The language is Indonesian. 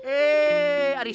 eh ada siapa